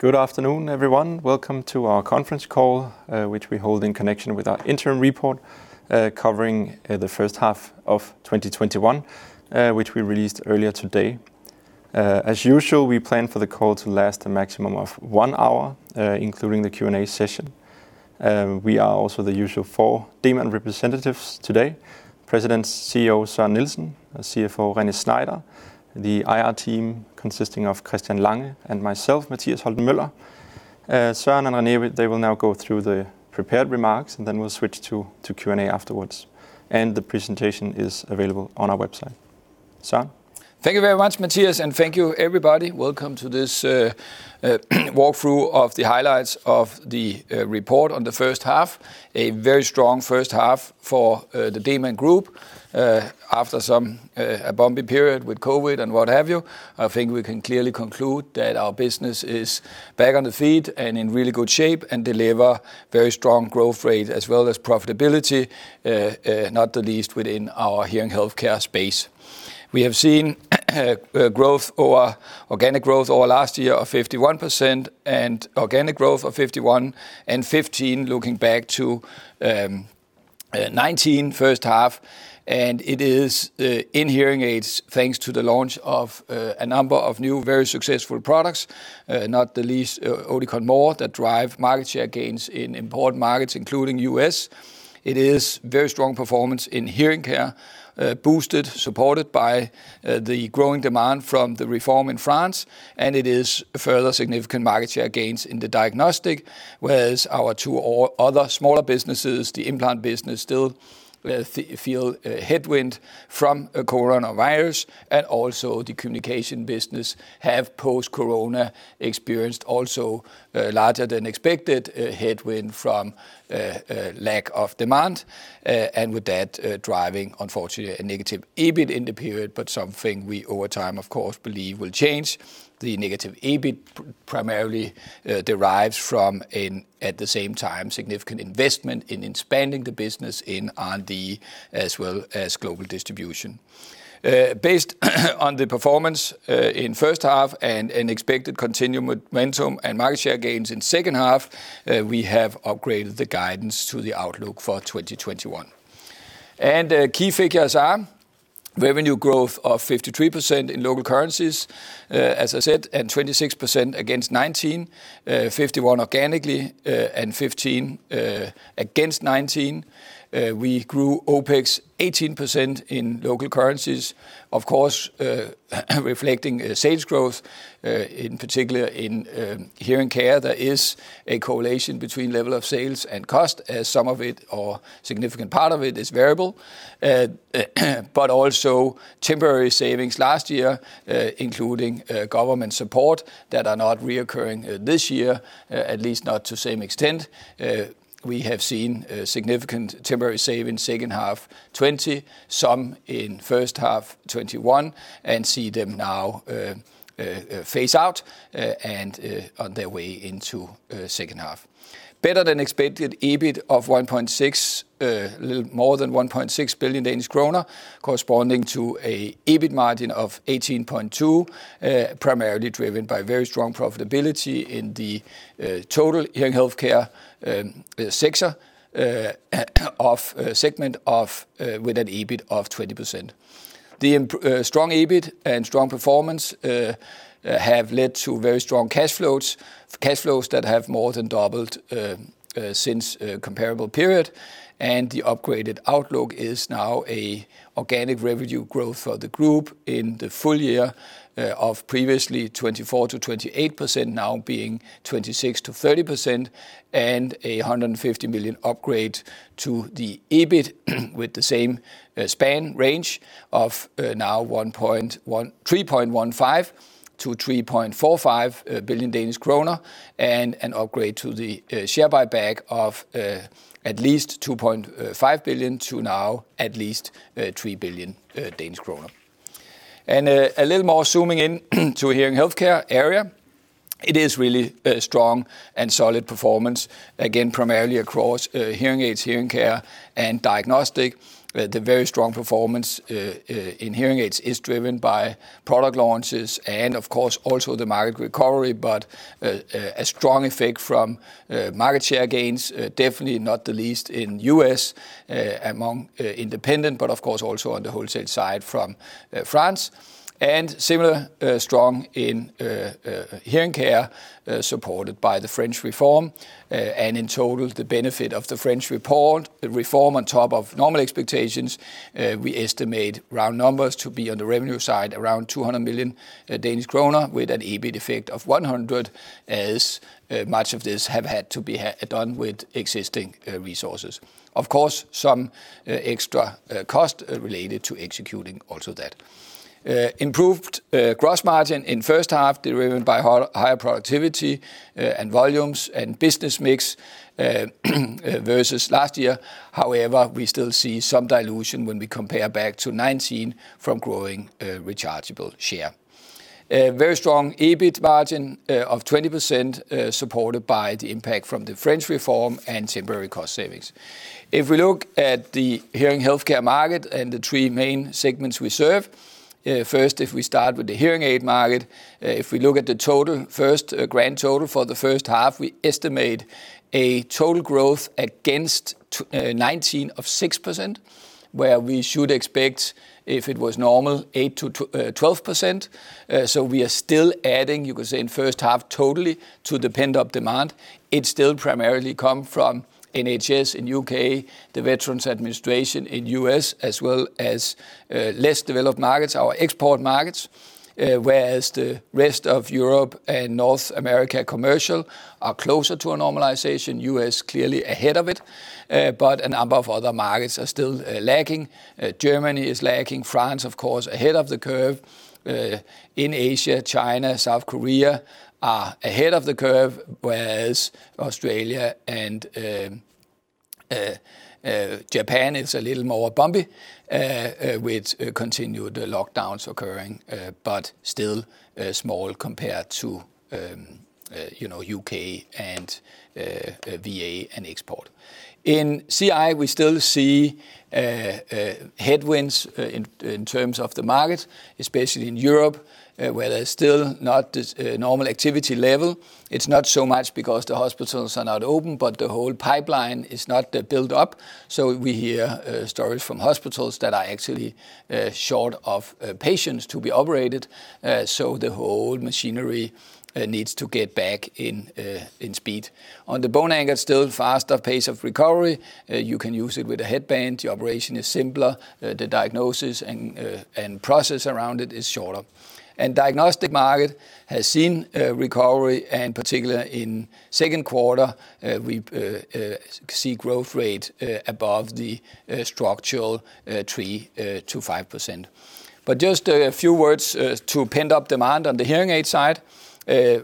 Good afternoon, everyone. Welcome to our conference call, which we hold in connection with our interim report, covering the first half of 2021, which we released earlier today. As usual, we plan for the call to last a maximum of one hour, including the Q&A session. We are also the usual four Demant representatives today. President CEO Søren Nielsen, CFO René Schneider, the IR team consisting of Christian Lange and myself, Mathias Holten Møller. Søren and René, they will now go through the prepared remarks, then we'll switch to Q&A afterwards. The presentation is available on our website. Søren? Thank you very much, Mathias, and thank you everybody. Welcome to this walkthrough of the highlights of the report on the first half. A very strong first half for the Demant Group. After a bumpy period with COVID and what have you, I think we can clearly conclude that our business is back on the feet and in really good shape and deliver very strong growth rate as well as profitability, not the least within our hearing healthcare space. We have seen organic growth over last year of 51%. Organic growth of 51 and 15, looking back to 2019 first half. It is in hearing aids, thanks to the launch of a number of new very successful products, not the least Oticon More, that drive market share gains in important markets, including U.S. It is very strong performance in hearing care, boosted, supported by the growing demand from the reform in France, and it is further significant market share gains in the Diagnostic, whereas our two other smaller businesses, the implant business still feel a headwind from Coronavirus, and also the communication business have post-Coronavirus experienced also larger than expected headwind from lack of demand, and with that, driving, unfortunately, a negative EBIT in the period, but something we, over time, of course, believe will change. The negative EBIT primarily derives from, at the same time, significant investment in expanding the business in R&D as well as global distribution. Based on the performance in first half and expected continued momentum and market share gains in second half, we have upgraded the guidance to the outlook for 2021. Key figures are revenue growth of 53% in local currencies, as I said, and 26% against 2019, 51% organically, and 15% against 2019. We grew OpEx 18% in local currencies, of course, reflecting sales growth, in particular in hearing care. There is a correlation between level of sales and cost as some of it or significant part of it is variable. Also temporary savings last year, including government support that are not recurring this year, at least not to same extent. We have seen a significant temporary save in second half 2020, some in first half 2021, and see them now phase out and on their way into second half. Better than expected EBIT of a little more than 1.6 billion Danish kroner, corresponding to an EBIT margin of 18.2%, primarily driven by very strong profitability in the total hearing healthcare sector segment with an EBIT of 20%. The strong EBIT and strong performance have led to very strong cash flows, cash flows that have more than doubled since comparable period, and the upgraded outlook is now organic revenue growth for the group in the full year of previously 24%-28%, now being 26%-30%, and a 150 million upgrade to the EBIT with the same span range of now 3.15 billion-3.45 billion Danish kroner, and an upgrade to the share buyback of at least 2.5 billion to now at least 3 billion Danish kroner. A little more zooming in to hearing healthcare area, it is really strong and solid performance, again, primarily across hearing aids, hearing care, and diagnostic. The very strong performance in hearing aids is driven by product launches and, of course, also the market recovery, but a strong effect from market share gains, definitely not the least in U.S. among independent, but of course also on the wholesale side from France and similar strong in hearing care, supported by the French reform. In total, the benefit of the French reform on top of normal expectations, we estimate round numbers to be on the revenue side around 200 million Danish kroner with an EBIT effect of 100 million, as much of this have had to be done with existing resources. Of course, some extra cost related to executing also that. Improved gross margin in first half, driven by higher productivity and volumes and business mix versus last year. However, we still see some dilution when we compare back to 2019 from growing rechargeable share. A very strong EBIT margin of 20%, supported by the impact from the French reform and temporary cost savings. If we look at the hearing healthcare market and the three main segments we serve. First, if we start with the hearing aid market, if we look at the grand total for the first half, we estimate a total growth against 2019 of 6%, where we should expect, if it was normal, 8%-12%. We are still adding, you could say, in first half totally to the pent-up demand. It still primarily comes from NHS in U.K., the Veterans Administration in U.S., as well as less developed markets, our export markets, whereas the rest of Europe and North America commercial are closer to a normalization. U.S. clearly ahead of it. A number of other markets are still lagging. Germany is lagging. France, of course, ahead of the curve. In Asia, China, South Korea are ahead of the curve, whereas Australia and Japan, it's a little more bumpy, with continued lockdowns occurring, but still small compared to U.K. and VA and export. In CI, we still see headwinds in terms of the market, especially in Europe, where there's still not this normal activity level. It's not so much because the hospitals are not open, but the whole pipeline is not built up. We hear stories from hospitals that are actually short of patients to be operated. The whole machinery needs to get back in speed. On the bone anchored, still faster pace of recovery. You can use it with a headband. The operation is simpler. The diagnosis and process around it is shorter. Diagnostic market has seen a recovery, and particularly in second quarter, we see growth rate above the structural 3%-5%. Just a few words to pent-up demand on the hearing aid side.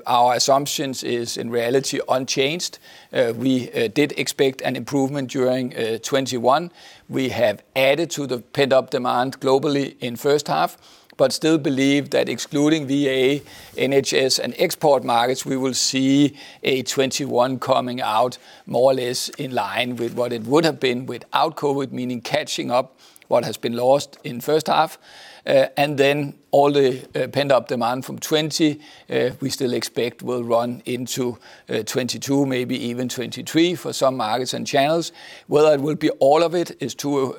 Our assumptions is, in reality, unchanged. We did expect an improvement during 2021. We have added to the pent-up demand globally in first half, but still believe that excluding VA, NHS, and export markets, we will see a 2021 coming out more or less in line with what it would have been without COVID, meaning catching up what has been lost in first half. All the pent-up demand from 2020, we still expect will run into 2022, maybe even 2023 for some markets and channels. Whether it will be all of it is too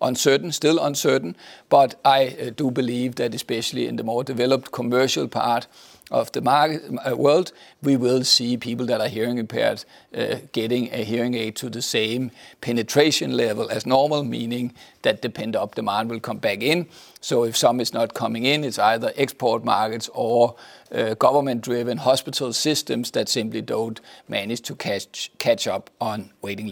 uncertain, still uncertain, but I do believe that especially in the more developed commercial part of the world, we will see people that are hearing impaired getting a hearing aid to the same penetration level as normal, meaning that the pent-up demand will come back in. If some is not coming in, it's either export markets or government-driven hospital systems that simply don't manage to catch up on waiting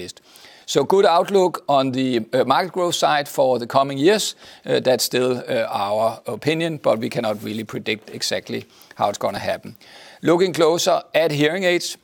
list. Good outlook on the market growth side for the coming years. That's still our opinion, but we cannot really predict exactly how it's going to happen. Looking closer at hearing aids,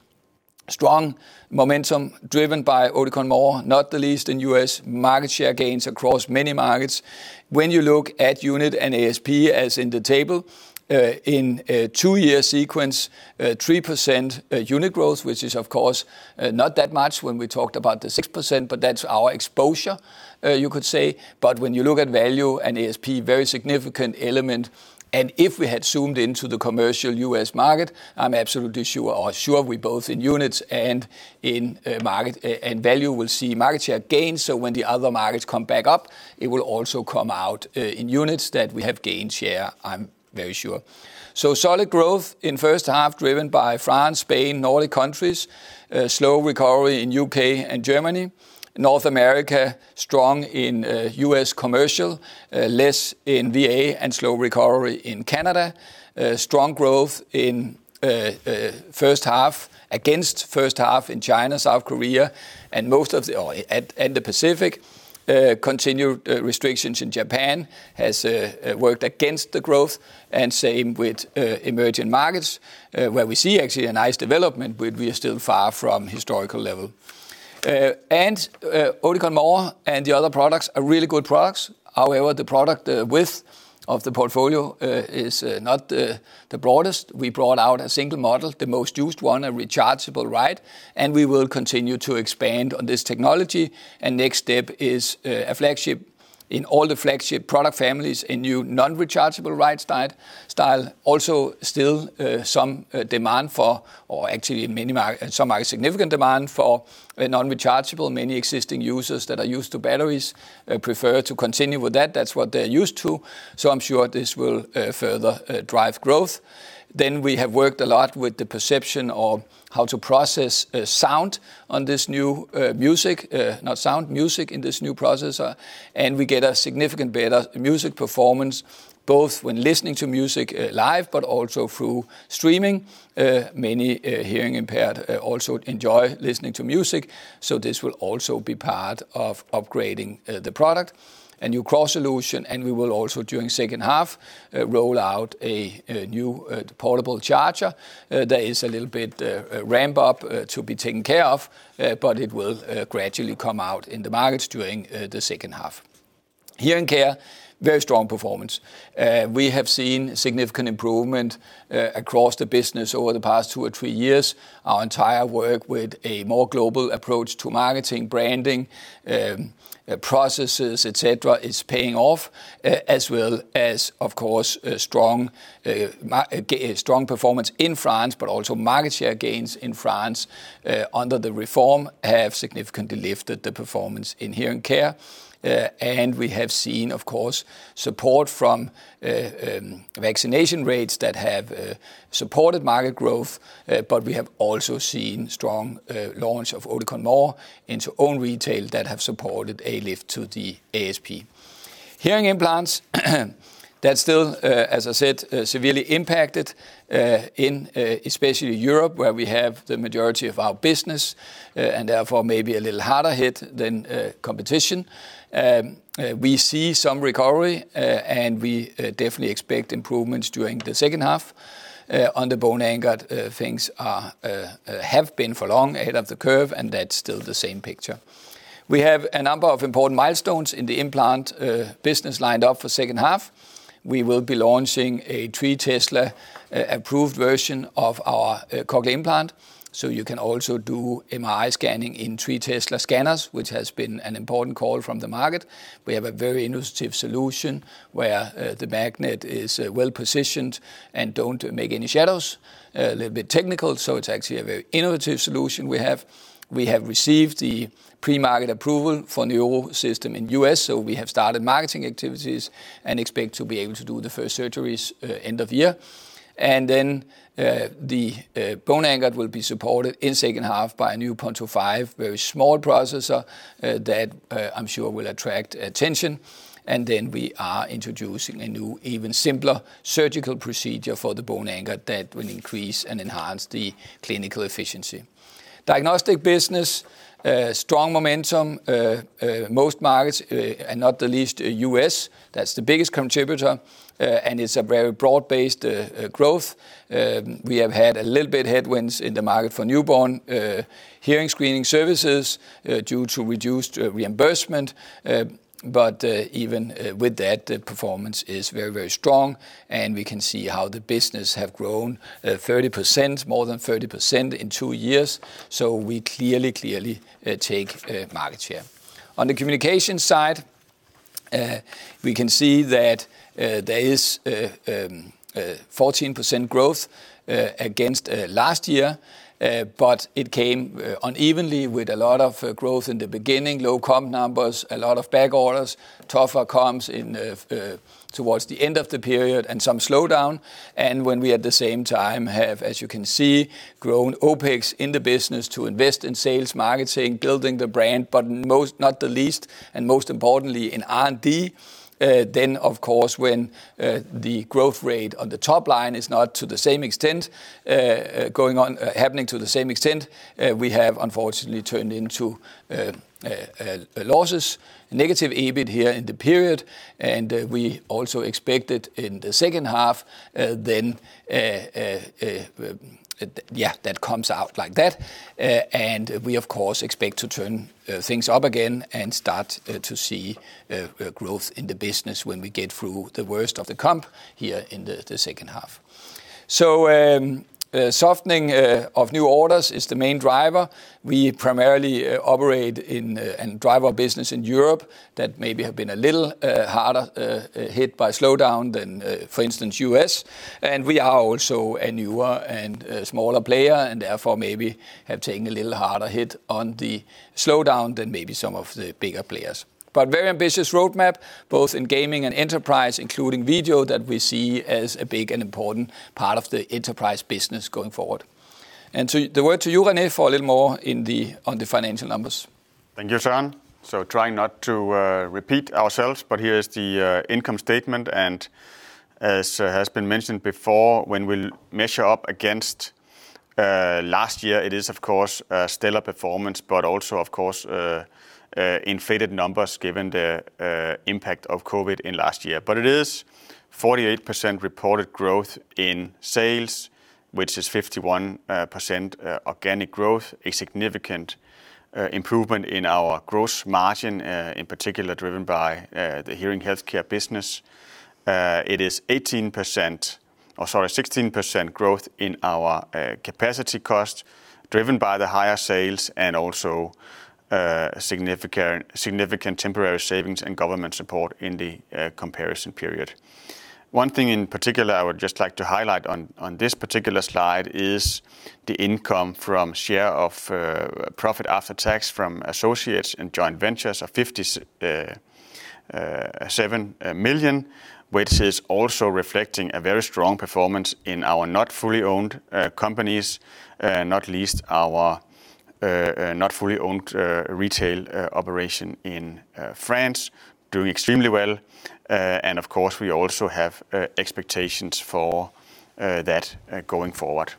strong momentum driven by Oticon More, not the least in U.S. Market share gains across many markets. When you look at unit and ASP, as in the table, in a two-year sequence, 3% unit growth, which is of course not that much when we talked about the 6%, but that's our exposure, you could say. When you look at value and ASP, very significant element. If we had zoomed into the commercial U.S. market, I'm absolutely sure we, both in units and in value, will see market share gains. When the other markets come back up, it will also come out in units that we have gained share, I'm very sure. Solid growth in first half driven by France, Spain, Nordic countries. Slow recovery in U.K. and Germany. North America, strong in U.S. commercial, less in VA and slow recovery in Canada. Strong growth in first half against first half in China, South Korea, and the Pacific. Continued restrictions in Japan has worked against the growth. Same with emerging markets, where we see actually a nice development, but we are still far from historical level. Oticon More and the other products are really good products. However, the product width of the portfolio is not the broadest. We brought out a single model, the most used one, a rechargeable RITE. We will continue to expand on this technology. Next step is a flagship in all the flagship product families, a new non-rechargeable RITE style. Also, still some demand for, or actually in many markets, significant demand for a non-rechargeable. Many existing users that are used to batteries prefer to continue with that. That's what they're used to. I'm sure this will further drive growth. We have worked a lot with the perception of how to process sound on this new MyMusic, not sound, MyMusic in this new processor, and we get a significant better MyMusic performance, both when listening to MyMusic live, but also through streaming. Many hearing impaired also enjoy listening to MyMusic, this will also be part of upgrading the product. A new CROS solution, we will also, during second half, roll out a new portable charger. There is a little bit ramp-up to be taken care of, it will gradually come out in the markets during the second half. Hearing care, very strong performance. We have seen significant improvement across the business over the past two or three years. Our entire work with a more global approach to marketing, branding, processes, et cetera, is paying off, as well as, of course, strong performance in France, but also market share gains in France under the reform have significantly lifted the performance in hearing care. We have seen, of course, support from vaccination rates that have supported market growth, but we have also seen strong launch of Oticon More into own retail that have supported a lift to the ASP. Hearing implants, that's still, as I said, severely impacted in especially Europe, where we have the majority of our business, and therefore maybe a little harder hit than competition. We see some recovery, and we definitely expect improvements during the second half. On the bone anchored, things have been for long ahead of the curve, and that's still the same picture. We have a number of important milestones in the implant business lined up for second half. We will be launching a three Tesla approved version of our cochlear implant, so you can also do MRI scanning in 3 Tesla scanners, which has been an important call from the market. We have a very innovative solution where the magnet is well-positioned and don't make any shadows. A little bit technical, it's actually a very innovative solution we have. We have received the pre-market approval for Neuro System in U.S., we have started marketing activities and expect to be able to do the first surgeries end of year. The bone anchored will be supported in second half by a new Ponto 5, very small processor that I'm sure will attract attention. We are introducing a new, even simpler surgical procedure for the bone-anchored that will increase and enhance the clinical efficiency. Diagnostic business, strong momentum. Most markets, and not the least U.S., that's the biggest contributor, and it's a very broad-based growth. We have had a little bit headwinds in the market for newborn hearing screening services due to reduced reimbursement. Even with that, the performance is very strong, and we can see how the business have grown more than 30% in two years. We clearly take market share. On the communication side, we can see that there is 14% growth against last year, but it came unevenly with a lot of growth in the beginning, low comp numbers, a lot of back orders, tougher comps towards the end of the period and some slowdown. When we, at the same time, have, as you can see, grown OpEx in the business to invest in sales, marketing, building the brand, but not the least and most importantly in R&D, of course, when the growth rate on the top line is not happening to the same extent, we have unfortunately turned into losses. Negative EBIT H1 in the period, we also expect it in the second half, that comes out like that. We, of course, expect to turn things up again and start to see growth in the business when we get through the worst of the comp H1 in the second half. Softening of new orders is the main driver. We primarily operate and drive our business in Europe that maybe have been a little harder hit by slowdown than, for instance, U.S. We are also a newer and smaller player, and therefore maybe have taken a little harder hit on the slowdown than maybe some of the bigger players. Very ambitious roadmap, both in gaming and enterprise, including video that we see as a big and important part of the enterprise business going forward. The word to you, René, for a little more on the financial numbers. Thank you, Søren. Trying not to repeat ourselves, but HIA is the income statement, and as has been mentioned before, when we measure up against last year, it is, of course, a stellar performance, but also, of course, inflated numbers given the impact of COVID in last year. It is 48% reported growth in sales, which is 51% organic growth, a significant improvement in our gross margin, in particular driven by the hearing healthcare business. It is 16% growth in our capacity cost, driven by the higher sales and also significant temporary savings and government support in the comparison period. One thing in particular I would just like to highlight on this particular slide is the income from share of profit after tax from associates and joint ventures of 57 million, which is also reflecting a very strong performance in our not fully owned companies, not least our not fully owned retail operation in France, doing extremely well. Of course, we also have expectations for that going forward.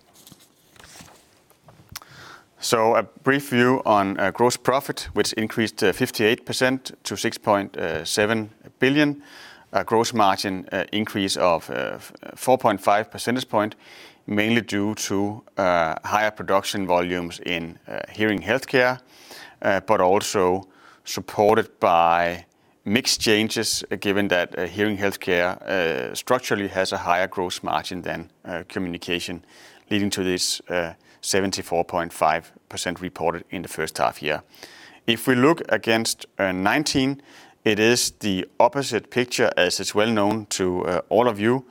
A brief view on gross profit, which increased 58% to 6.7 billion. A gross margin increase of 4.5 percentage points, mainly due to higher production volumes in hearing healthcare, but also supported by mixed changes given that hearing healthcare structurally has a higher gross margin than communication, leading to this 74.5% reported in the first half year. If we look against 2019, it is the opposite picture as it's well known to all of you.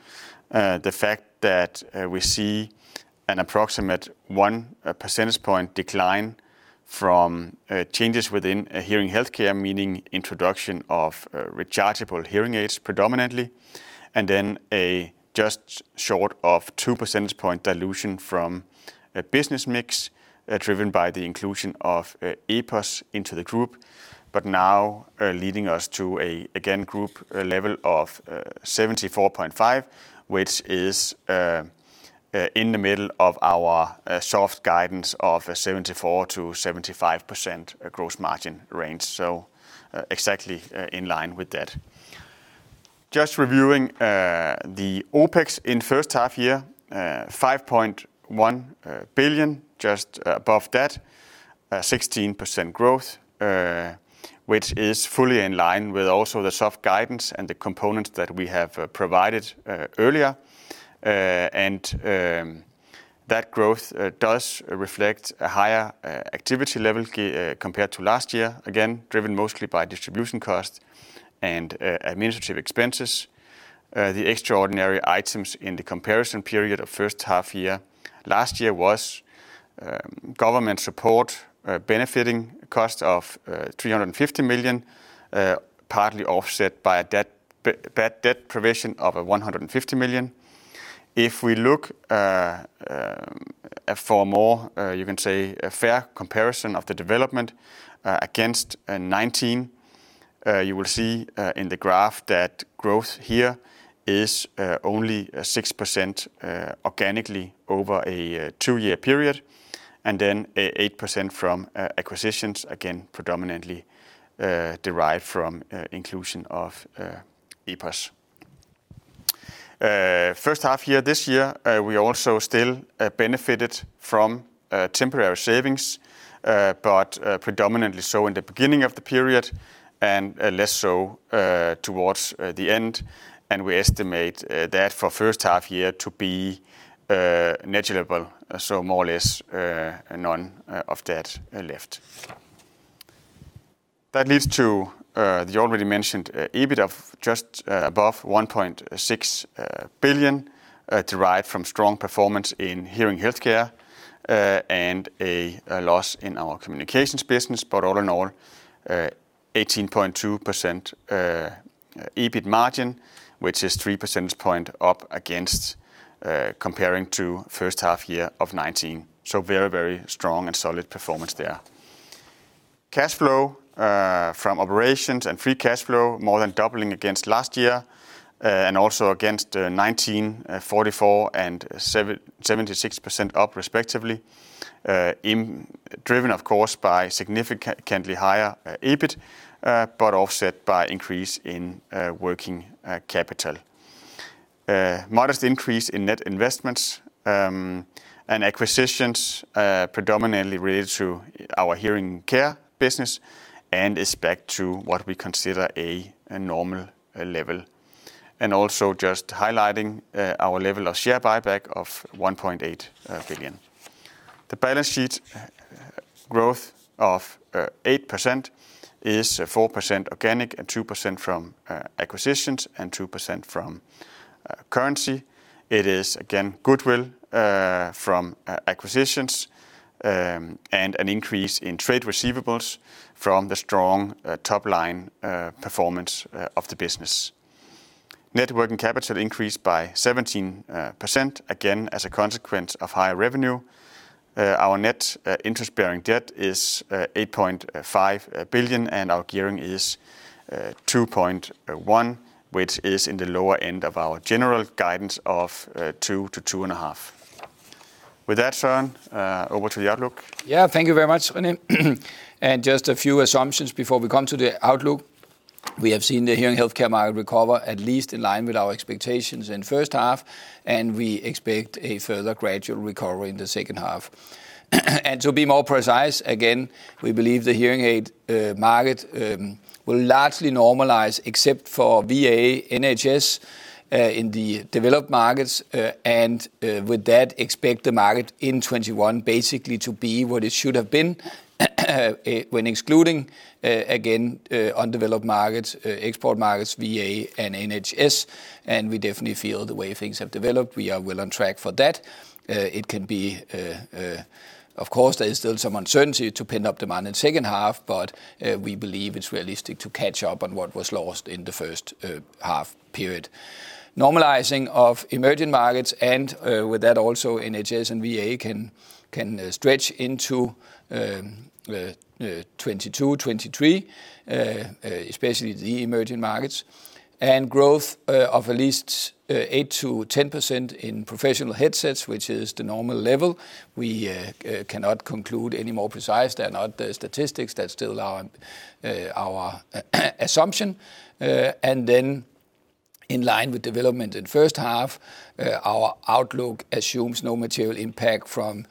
The fact that we see an approximate 1 percentage point decline from changes within Hearing Healthcare, meaning introduction of rechargeable hearing aids predominantly, then a just short of 2 percentage point dilution from business mix driven by the inclusion of EPOS into the Group, now leading us to again Group level of 74.5%, which is in the middle of our soft guidance of 74%-75% gross margin range. Exactly in line with that. Just reviewing the OpEx in first half-year, 5.1 billion, just above that, 16% growth, which is fully in line with also the soft guidance and the components that we have provided earlier. That growth does reflect a higher activity level compared to last year, again, driven mostly by distribution costs and administrative expenses. The extraordinary items in the comparison period of first half year, last year was government support benefiting cost of 350 million, partly offset by a bad debt provision of 150 million. If we look for more, you can say, a fair comparison of the development against 2019, you will see in the graph that growth HIA is only 6% organically over a two-year period, then 8% from acquisitions, again, predominantly derived from inclusion of EPOS. First half year this year, we also still benefited from temporary savings, predominantly so in the beginning of the period and less so towards the end, we estimate that for first half year to be negligible, more or less none of that left. That leads to the already mentioned EBIT of just above 1.6 billion derived from strong performance in Hearing Healthcare, a loss in our communications business. All in all, 18.2% EBIT margin, which is 3 percentage points up comparing to first half year of 2019. Very strong and solid performance there. Cash flow from operations and free cash flow more than doubling against last year, also against 2019, 44% and 76% up respectively, driven of course, by significantly higher EBIT, but offset by increase in working capital. A modest increase in net investments, and acquisitions predominantly related to our hearing care business and is back to what we consider a normal level. Also just highlighting our level of share buyback of 1.8 billion. The balance sheet growth of 8% is 4% organic and 2% from acquisitions and 2% from currency. It is again goodwill from acquisitions, and an increase in trade receivables from the strong top-line performance of the business. Net working capital increased by 17%, again, as a consequence of higher revenue. Our net interest-bearing debt is 8.5 billion and our gearing is 2.1, which is in the lower end of our general guidance of 2-2.5. With that said, over to the outlook. Thank you very much, René. Just a few assumptions before we come to the outlook. We have seen the hearing healthcare market recover, at least in line with our expectations in first half, and we expect a further gradual recovery in the second half. To be more precise, again, we believe the hearing aid market will largely normalize except for VA, NHS in the developed markets, and with that, expect the market in 2021 basically to be what it should have been, when excluding, again, undeveloped markets, export markets, VA and NHS. We definitely feel the way things have developed, we are well on track for that. Of course, there is still some uncertainty to pent-up demand in second half, but we believe it's realistic to catch up on what was lost in the first half period. Normalizing of emerging markets and with that also NHS and VA can stretch into 2022, 2023, especially the emerging markets. Growth of at least 8%-10% in professional headsets, which is the normal level. We cannot conclude any more precise. They're not the statistics, that's still our assumption. In line with development in first half, our outlook assumes no material impact from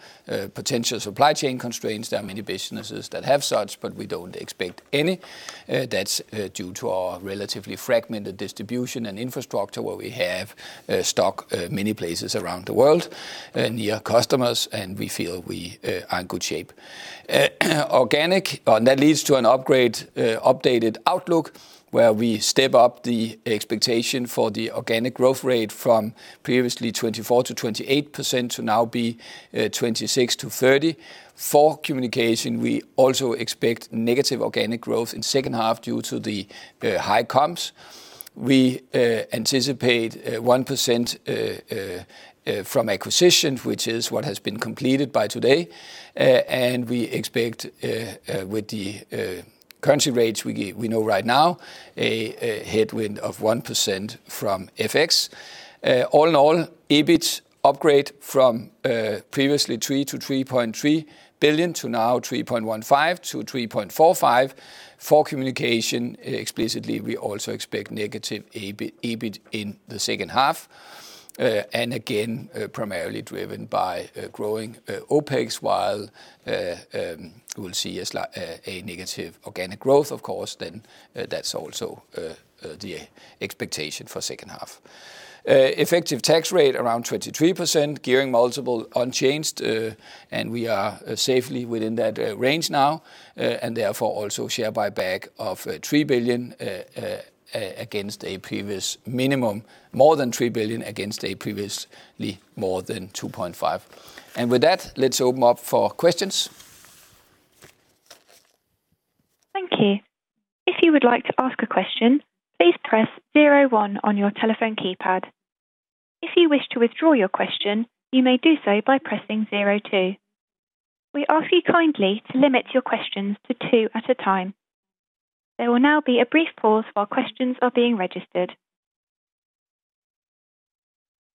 potential supply chain constraints. There are many businesses that have such, but we don't expect any. That's due to our relatively fragmented distribution and infrastructure, where we have stock many places around the world, near customers, and we feel we are in good shape. That leads to an updated outlook, where we step up the expectation for the organic growth rate from previously 24%-28% to now be 26%-30%. For communication, we also expect negative organic growth in second half due to the high comps. We anticipate 1% from acquisitions, which is what has been completed by today. We expect, with the currency rates we know right now, a headwind of 1% from FX. All in all, EBIT upgrade from previously 3 billion-3.3 billion to now 3.15 billion-3.45 billion. For communication, explicitly, we also expect negative EBIT in the second half. Again, primarily driven by growing OpEx, while we'll see a negative organic growth, of course, then that's also the expectation for second half. Effective tax rate around 23%, gearing multiple unchanged, and we are safely within that range now, and therefore also share buyback of 3 billion against a previous minimum, more than 3 billion against a previously more than 2.5 billion. With that, let's open up for questions. Thank you. If you would like to ask a question, please press zero one on your telephone keypad. If you wish to withdraw your question, you may do so by pressing zero two. We ask you kindly to limit your questions to two at a time. There will now be a brief pause while questions are being registered.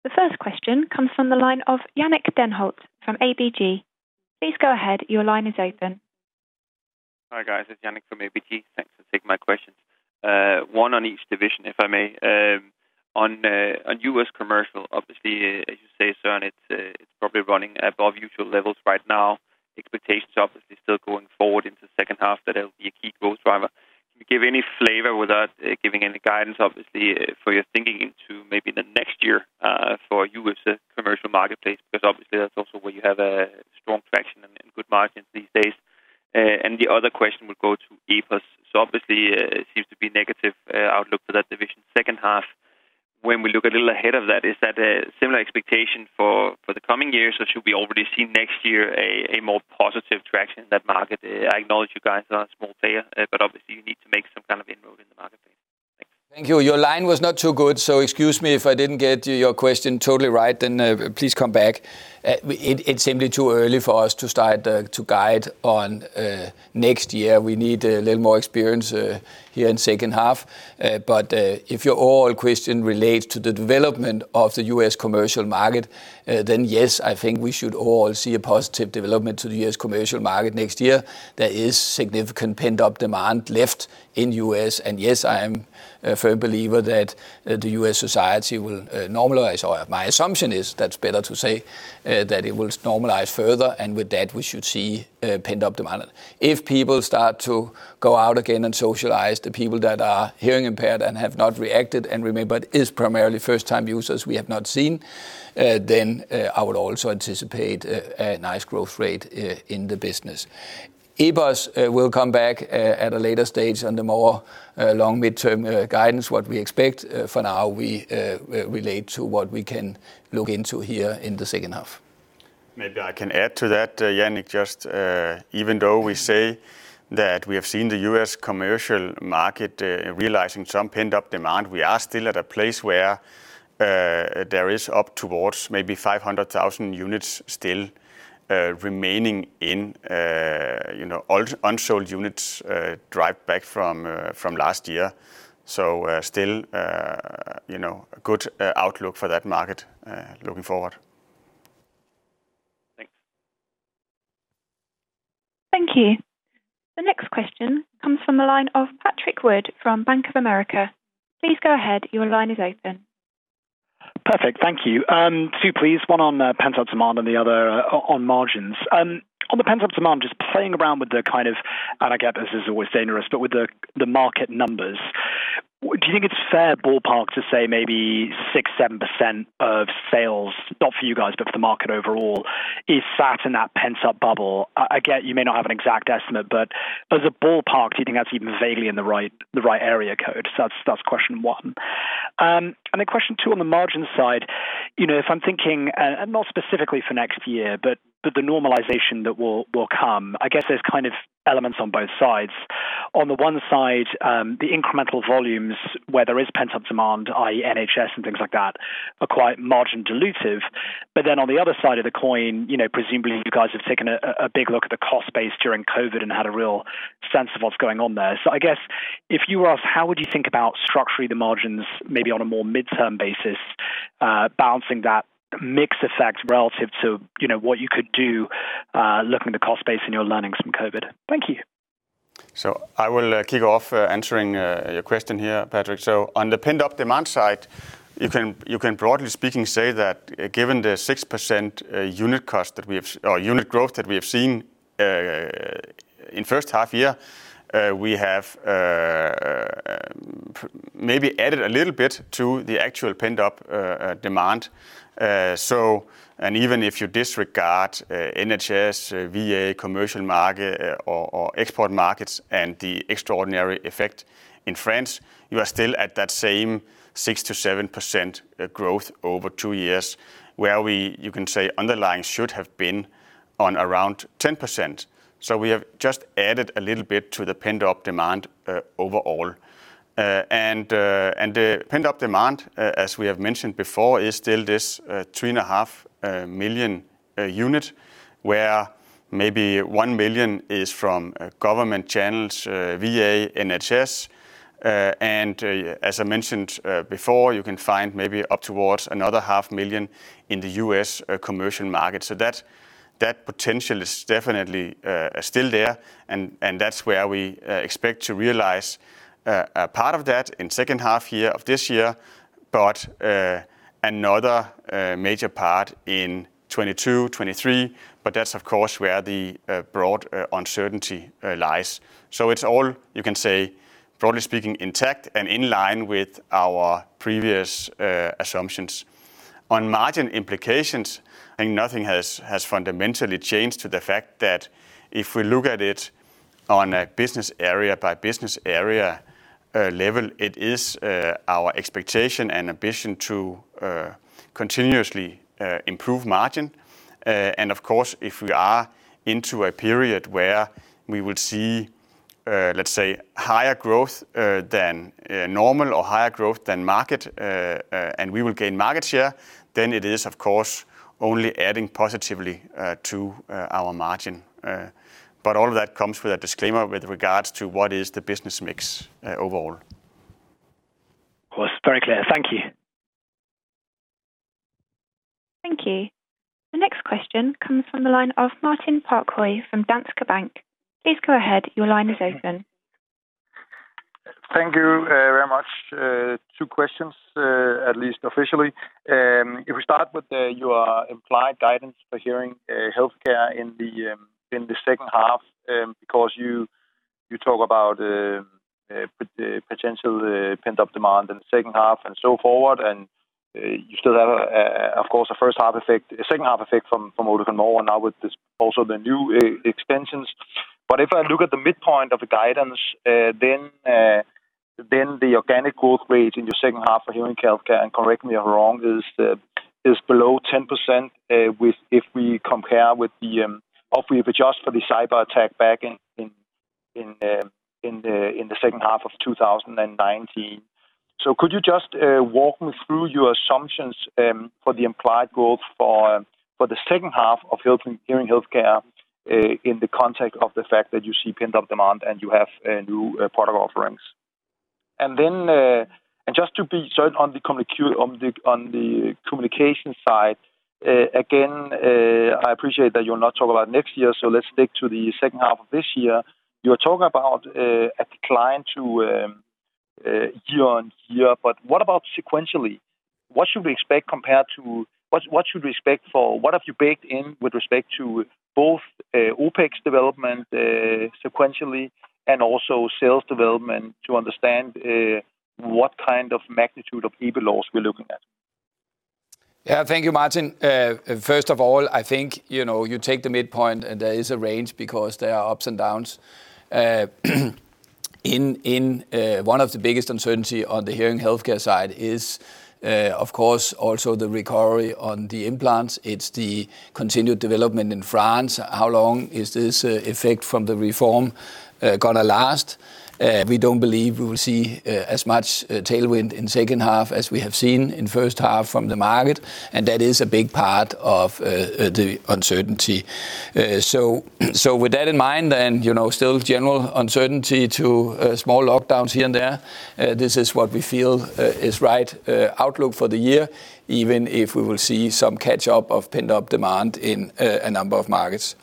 The first question comes from the line of Jannick Denholt from ABG. Please go ahead, your line is open. Hi, guys. It's Jannick from ABG. Thanks for taking my questions. One on each division, if I may. On U.S. commercial, obviously, as you say, Søren, it's probably running above usual levels right now. Expectations obviously still going forward into the second half that'll be a key growth driver. Can you give any flavor without giving any guidance, obviously, for your thinking into maybe the next year, for U.S. commercial marketplace? Because obviously that's also where you have a strong traction and good margins these days. The other question will go to EPOS. Obviously, it seems to be negative outlook for that division second half. When we look a little ahead of that, is that a similar expectation for the coming years, or should we already see next year a more positive traction in that market? I acknowledge you guys are a small player, but obviously you need to make some kind of inroad in the marketplace. Thanks. Thank you. Your line was not too good, so excuse me if I didn't get your question totally right, then please come back. It's simply too early for us to start to guide on next year. We need a little more experience HIA in second half. If your overall question relates to the development of the U.S. commercial market, then yes, I think we should all see a positive development to the U.S. commercial market next year. There is significant pent-up demand left in U.S. Yes, I am a firm believer that the U.S. society will normalize. My assumption is, that's better to say, that it will normalize further. With that, we should see pent-up demand. If people start to go out again and socialize, the people that are hearing-impaired and have not reacted and remain, but is primarily first-time users we have not seen, I would also anticipate a nice growth rate in the business. EPOS will come back at a later stage on the more long-term guidance, what we expect. For now, we relate to what we can look into HIA in the second half. Maybe I can add to that, Jannick. Just even though we say that we have seen the U.S. commercial market realizing some pent-up demand, we are still at a place where there is up towards maybe 500,000 units still remaining in unsold units drive back from last year. Still a good outlook for that market looking forward. Thanks. Thank you. The next question comes from the line of Patrick Wood from Bank of America. Please go ahead. Your line is open. Perfect. Thank you. two, please. One on pent-up demand and the other on margins. On the pent-up demand, just playing around with the kind of, I get this is always dangerous, but with the market numbers, do you think it's fair ballpark to say maybe 6%, 7% of sales, not for you guys, but for the market overall, is sat in that pent-up bubble? I get you may not have an exact estimate, but as a ballpark, do you think that's even vaguely in the right area code? That's question one. Question two on the margin side. If I'm thinking, not specifically for next year, but the normalization that will come, I guess there's elements on both sides. On the one side, the incremental volumes where there is pent-up demand, i.e. NHS and things like that, are quite margin dilutive. On the other side of the coin, presumably you guys have taken a big look at the cost base during COVID and had a real sense of what's going on there. I guess if you were us, how would you think about structuring the margins maybe on a more midterm basis, balancing that mix effect relative to what you could do looking at the cost base and your learnings from COVID? Thank you. I will kick off answering your question HIA, Patrick. On the pent-up demand side, you can broadly speaking, say that given the 6% unit growth that we have seen in first half year, we have maybe added a little bit to the actual pent-up demand. Even if you disregard NHS, VA, commercial market or export markets and the extraordinary effect in France, you are still at that same 6%-7% growth over two years, where we, you can say underlying should have been on around 10%. We have just added a little bit to the pent-up demand overall. The pent-up demand, as we have mentioned before, is still this 3.5 million unit where maybe 1 million is from government channels, VA, NHS. As I mentioned before, you can find maybe up towards another 0.5 million in the U.S. commercial market. That potential is definitely still there. That's where we expect to realize a part of that in second half-year of this year. Another major part in 2022, 2023. That's of course where the broad uncertainty lies. It's all, you can say, broadly speaking, intact and in line with our previous assumptions. On margin implications, I think nothing has fundamentally changed to the fact that if we look at it on a business area by business area level, it is our expectation and ambition to continuously improve margin. Of course, if we are into a period where we would see, let's say, higher growth than normal or higher growth than market, and we will gain market share, then it is, of course, only adding positively to our margin. All of that comes with a disclaimer with regards to what is the business mix overall. Of course. Very clear. Thank you. Thank you. The next question comes from the line of Martin Parkhøi from Danske Bank. Please go ahead. Your line is open. Thank you very much. two questions, at least officially. We start with your implied guidance for hearing healthcare in the second half, because you talk about potential pent-up demand in the second half and so forward, and you still have, of course a second half effect from Oticon More now with this, also the new extensions. If I look at the midpoint of the guidance, then the organic growth rate in your second half for hearing healthcare, and correct me if I'm wrong, is below 10% if we adjust for the cyber attack back in the second half of 2019. Could you just walk me through your assumptions for the implied growth for the second half of hearing healthcare, in the context of the fact that you see pent-up demand and you have new product offerings? Just to be certain on the communication side, again, I appreciate that you'll not talk about next year, so let's stick to the second half of this year. You are talking about a decline to year-over-year. What about sequentially? What should we expect for, what have you baked in with respect to both OpEx development sequentially and also sales development to understand what kind of magnitude of EBITDA loss we're looking at? Yeah. Thank you, Martin. First of all, I think, you take the midpoint and there is a range because there are ups and downs. One of the biggest uncertainty on the hearing healthcare side is, of course, also the recovery on the implants. It's the continued development in France. How long is this effect from the reform going to last? We don't believe we will see as much tailwind in second half as we have seen in first half from the market. That is a big part of the uncertainty. With that in mind, still general uncertainty to small lockdowns HIA and there. This is what we feel is right outlook for the year, even if we will see some catch-up of pent-up demand in a number of markets.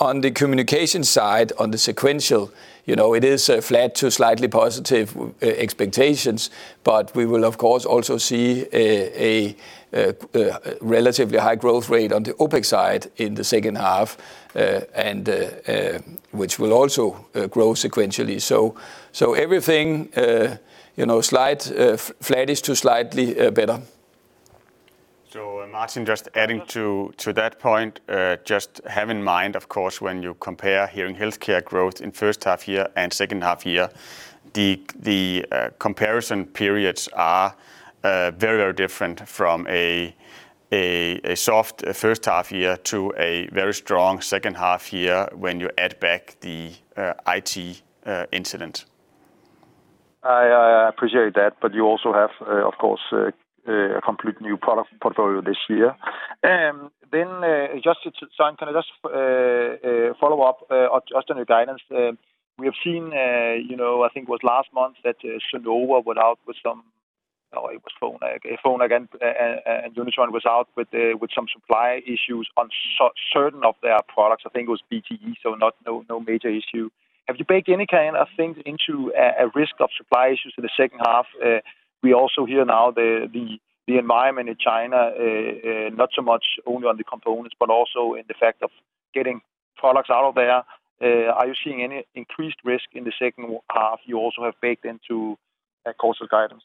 On the communication side, on the sequential, it is flat to slightly positive expectations, but we will of course also see a relatively high growth rate on the OpEx side in the second half, and which will also grow sequentially. Everything flattish to slightly better. Martin, just adding to that point, just have in mind, of course, when you compare hearing healthcare growth in first half year and second half year, the comparison periods are very different from a soft first half year to a very strong second half year when you add back the IT incident. I appreciate that. you also have, of course, a complete new product portfolio this year. just to follow up just on your guidance. We have seen, I think it was last month that Sonova went out with some Oh, it was Phonak again. Unitron was out with some supply issues on certain of their products. I think it was BTE, so no major issue. Have you baked any kind of things into a risk of supply issues for the second half? We also hear now the environment in China, not so much only on the components, but also in the fact of getting products out of there. Are you seeing any increased risk in the second half you also have baked into that quarter guidance?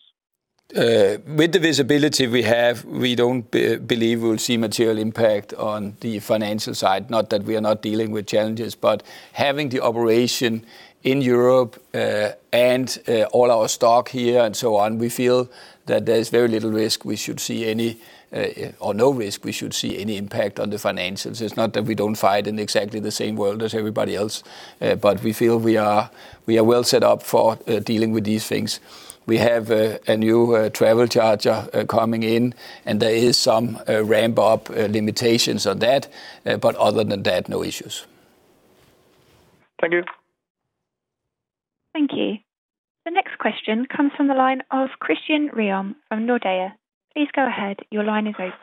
With the visibility we have, we don't believe we'll see material impact on the financial side, not that we are not dealing with challenges. Having the operation in Europe, and all our stock HIA and so on, we feel that there is very little risk we should see any, or no risk we should see any impact on the financials. It's not that we don't fight in exactly the same world as everybody else. We feel we are well set up for dealing with these things. We have a new travel charger coming in, and there is some ramp-up limitations on that. Other than that, no issues. Thank you. Thank you. The next question comes from the line of Christian Sørup Ryom from Nordea. Please go ahead. Your line is open.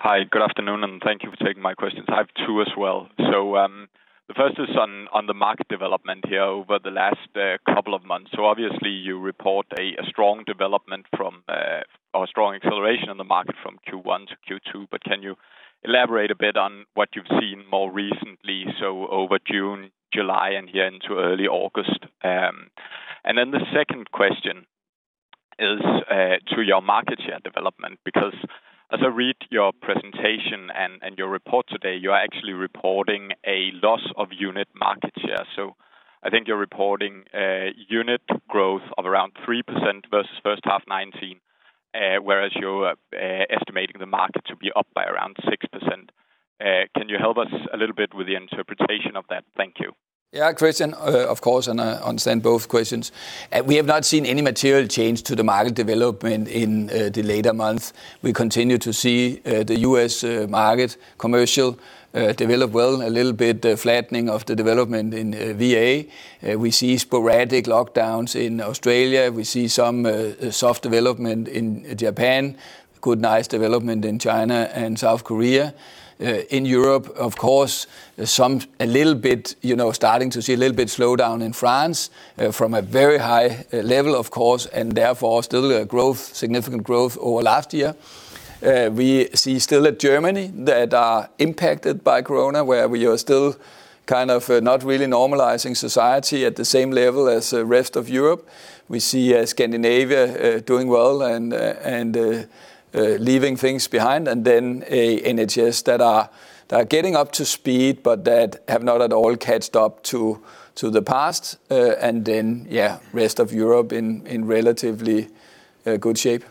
Hi, good afternoon, and thank you for taking my questions. I have two as well. The first is on the market development HIA over the last couple of months. Obviously, you report a strong development from, or strong acceleration on the market from Q1 to Q2. Can you elaborate a bit on what you've seen more recently, over June, July, and into early August? The second question is to your market share development, because as I read your presentation and your report today, you are actually reporting a loss of unit market share. I think you're reporting unit growth of around 3% versus first half 2019, whereas you're estimating the market to be up by around 6%. Can you help us a little bit with the interpretation of that? Thank you. Yeah, Christian, of course, and I understand both questions. We have not seen any material change to the market development in the later months. We continue to see the U.S. market commercial develop well, a little bit flattening of the development in VA. We see sporadic lockdowns in Australia. We see some soft development in Japan, good nice development in China and South Korea. In Europe, of course, starting to see a little bit slowdown in France from a very high level, of course, and therefore still a significant growth over last year. We see still at Germany that are impacted by Corona, where we are still kind of not really normalizing society at the same level as the rest of Europe. We see Scandinavia doing well and leaving things behind. NHS that are getting up to speed but that have not at all caught up to the past. Rest of Europe in relatively good shape.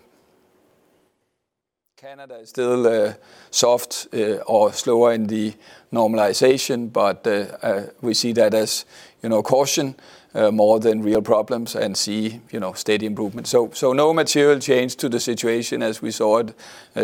Canada is still soft or slower in the normalization, but we see that as caution more than real problems and see steady improvement. No material change to the situation as we saw it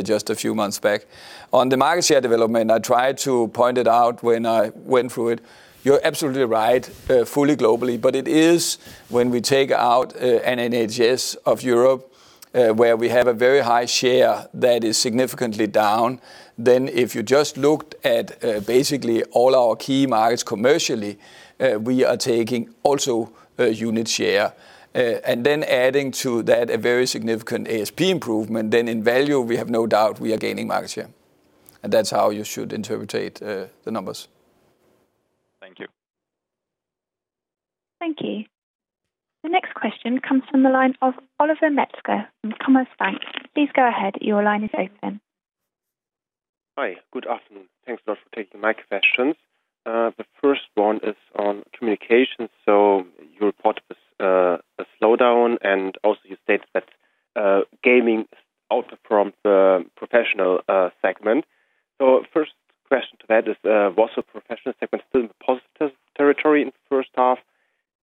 just a few months back. On the market share development, I tried to point it out when I went through it. You're absolutely right, fully globally, but it is when we take out an NHS of Europe, where we have a very high share that is significantly down, then if you just looked at basically all our key markets commercially, we are taking also a unit share. Adding to that a very significant ASP improvement, then in value, we have no doubt we are gaining market share. That's how you should interpret the numbers. Thank you. Thank you. The next question comes from the line of Oliver Metzger from Commerzbank. Please go ahead, your line is open. Hi, good afternoon. Thanks a lot for taking my questions. The first one is on communication. You report a slowdown, also you state that gaming is out from the professional segment. First question to that is, was the professional segment still in the positive territory in the first half?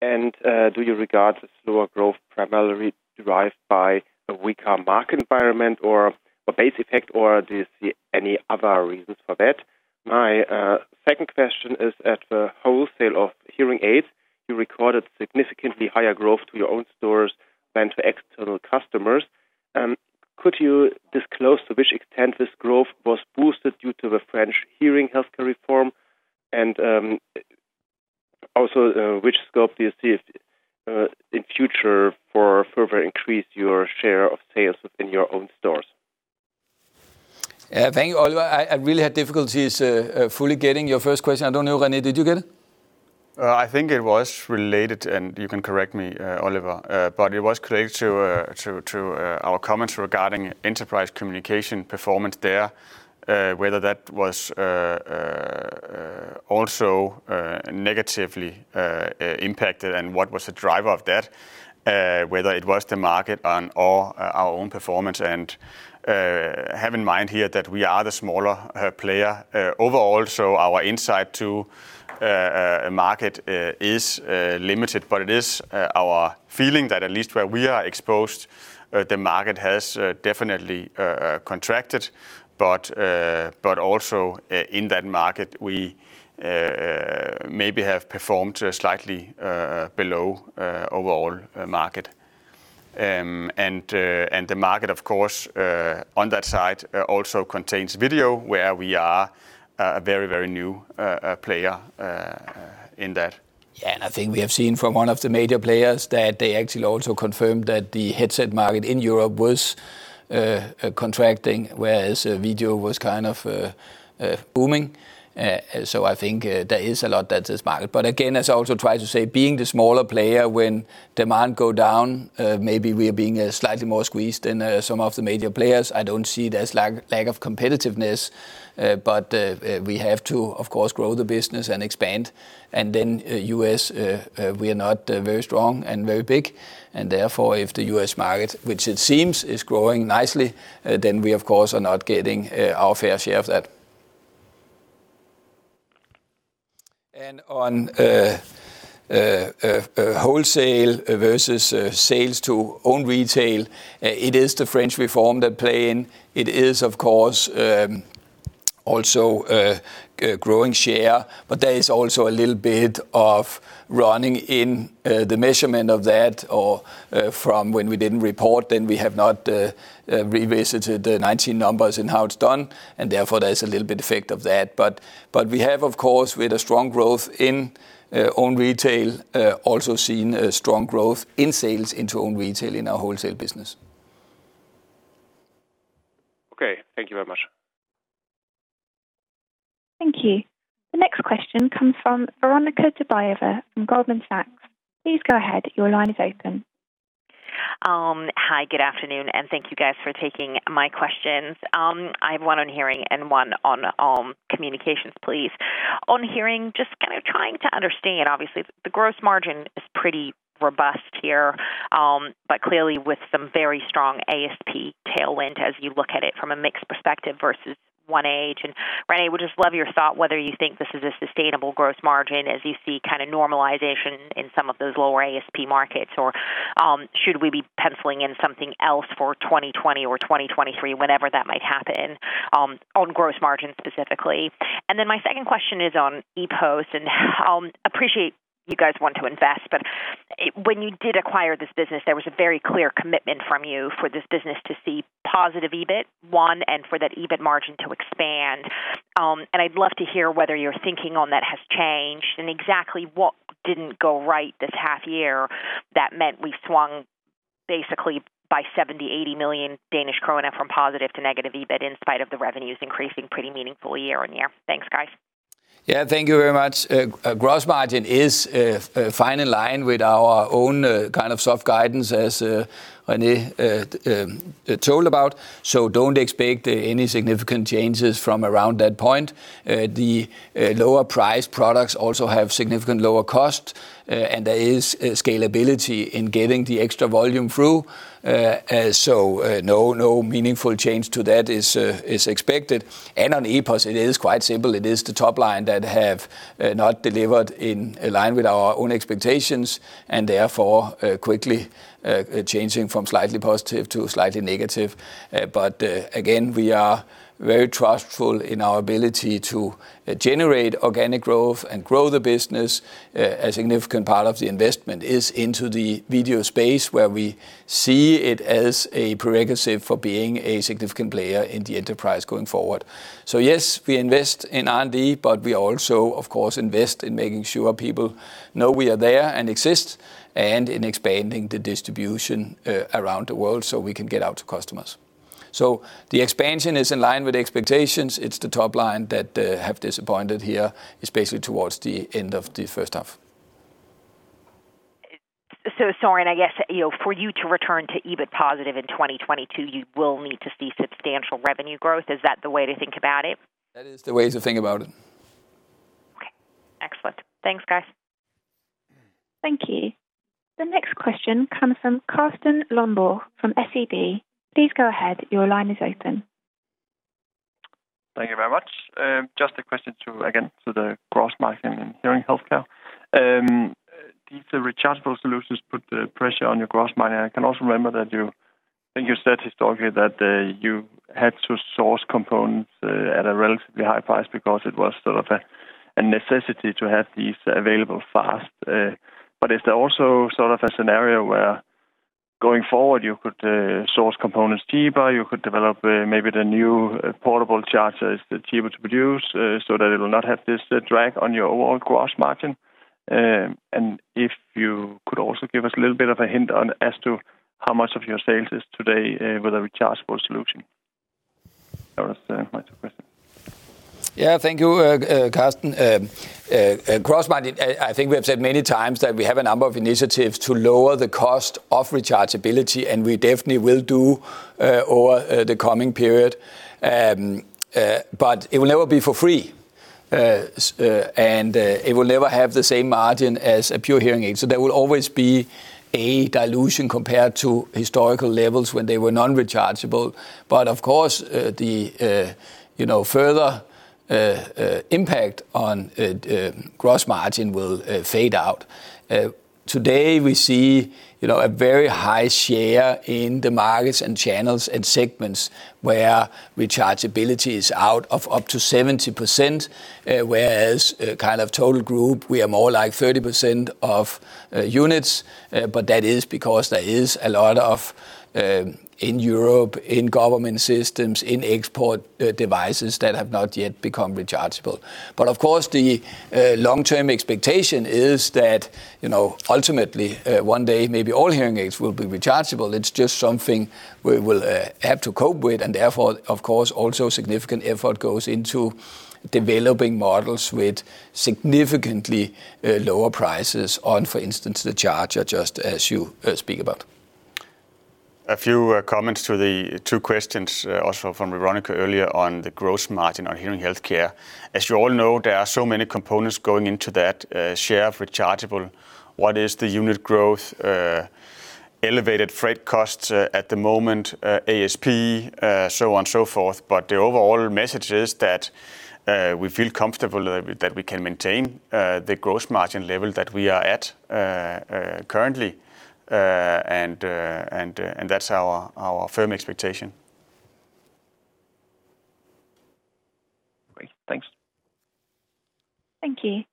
Do you regard the slower growth primarily derived by a weaker market environment or a base effect, or do you see any other reasons for that? My second question is at the wholesale of hearing aids, you recorded significantly higher growth to your own stores than to external customers. Could you disclose to which extent this growth was boosted due to the French hearing healthcare reform? Also, which scope do you see in future for further increase your share of sales within your own stores? Yeah, thank you, Oliver. I really had difficulties fully getting your first question. I don't know, René, did you get it? I think it was related, and you can correct me, Oliver. It was related to our comments regarding enterprise communication performance there, whether that was also negatively impacted and what was the driver of that, whether it was the market and/or our own performance. Have in mind HIA that we are the smaller player overall, so our insight to a market is limited. It is our feeling that at least where we are exposed, the market has definitely contracted. Also in that market, we maybe have performed slightly below overall market. The market, of course, on that side also contains video, where we are a very new player in that. Yeah. I think we have seen from one of the major players that they actually also confirmed that the headset market in Europe was contracting, whereas video was booming. I think there is a lot that this market. Again, as I also try to say, being the smaller player when demand go down, maybe we are being slightly more squeezed than some of the major players. I don't see it as lack of competitiveness. We have to, of course, grow the business and expand. Then U.S., we are not very strong and very big. Therefore, if the U.S. market, which it seems is growing nicely, then we of course, are not getting our fair share of that. On wholesale versus sales to own retail, it is the French reform that play in. It is, of course, also a growing share. There is also a little bit of running in the measurement of that, or from when we didn't report, then we have not revisited the 2019 numbers and how it's done. Therefore, there is a little bit effect of that. We have, of course, with a strong growth in own retail, also seen a strong growth in sales into own retail in our wholesale business. Okay. Thank you very much. Thank you. The next question comes from Veronika Dubajova from Goldman Sachs. Please go ahead. Your line is open. Hi, good afternoon, thank you guys for taking my questions. I have one on hearing and one on communications, please. On hearing, just kind of trying to understand, obviously, the gross margin is pretty robust HIA. Clearly with some very strong ASP tailwind as you look at it from a mix perspective versus 1H. René, would just love your thought whether you think this is a sustainable gross margin as you see kind of normalization in some of those lower ASP markets, or should we be penciling in something else for 2020 or 2023, whenever that might happen, on gross margin specifically? My second question is on EPOS. Appreciate you guys want to invest, but when you did acquire this business, there was a very clear commitment from you for this business to see positive EBIT, one, and for that EBIT margin to expand. I'd love to hear whether your thinking on that has changed and exactly what didn't go right this half year that meant we swung basically by 70 million-80 million Danish krone from positive to negative EBIT in spite of the revenues increasing pretty meaningfully year-on-year. Thanks, guys. Yeah, thank you very much. Gross margin is fine in line with our own kind of soft guidance as René told about. Don't expect any significant changes from around that point. The lower price products also have significant lower cost, and there is scalability in getting the extra volume through. No meaningful change to that is expected. On EPOS, it is quite simple. It is the top line that have not delivered in line with our own expectations, and therefore, quickly changing from slightly positive to slightly negative. Again, we are very trustful in our ability to generate organic growth and grow the business. A significant part of the investment is into the video space where we see it as a prerequisite for being a significant player in the enterprise going forward. Yes, we invest in R&D, but we also, of course, invest in making sure people know we are there and exist, and in expanding the distribution around the world so we can get out to customers. The expansion is in line with expectations. It's the top line that have disappointed HIA, especially towards the end of the first half. Søren, I guess, for you to return to EBIT positive in 2022, you will need to see substantial revenue growth. Is that the way to think about it? That is the way to think about it. Okay. Excellent. Thanks, guys. Thank you. The next question comes from Carsten Lønborg from SEB. Please go ahead. Your line is open. Thank you very much. Just a question, again, to the gross margin in hearing healthcare. These rechargeable solutions put the pressure on your gross margin. I can also remember that I think you said historically that you had to source components at a relatively high price because it was sort of a necessity to have these available fast. Is there also sort of a scenario where, going forward, you could source components cheaper, you could develop maybe the new portable chargers that's cheaper to produce so that it will not have this drag on your overall gross margin? If you could also give us a little bit of a hint on as to how much of your sales is today with a rechargeable solution. That was my two questions. Yeah. Thank you, Carsten. Gross margin, I think we have said many times that we have a number of initiatives to lower the cost of rechargeability, and we definitely will do over the coming period. It will never be for free. It will never have the same margin as a pure hearing aid. There will always be a dilution compared to historical levels when they were non-rechargeable. Of course, the further impact on gross margin will fade out. Today, we see a very high share in the markets and channels and segments where rechargeability is out of up to 70%, whereas kind of total group, we are more like 30% of units. That is because there is a lot of, in Europe, in government systems, in export devices that have not yet become rechargeable. Of course, the long-term expectation is that ultimately, one day, maybe all hearing aids will be rechargeable. It is just something we will have to cope with, and therefore, of course, also significant effort goes into developing models with significantly lower prices on, for instance, the charger, just as you speak about. A few comments to the two questions also from Veronika earlier on the gross margin on hearing healthcare. As you all know, there are so many components going into that share of rechargeable. What is the unit growth? Elevated freight costs at the moment, ASP, so on so forth. The overall message is that we feel comfortable that we can maintain the gross margin level that we are at currently. That's our firm expectation. Great. Thanks. Thank you.